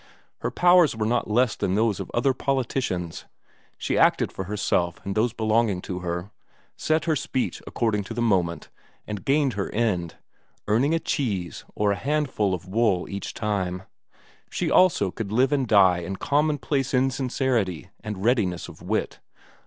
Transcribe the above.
Her powers were not less than those of other politicians; she acted for herself and those belonging to her, set her speech according to the moment, and gained her end, earning a cheese or a handful of wool each time; she also could live and die in commonplace insincerity and readiness of wit.